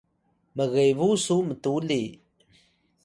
mgebu su mtuli